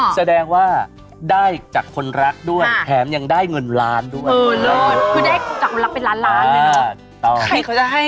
แสดงว่าได้จากคนรักด้วยแถมยังได้เงินล้านด้วย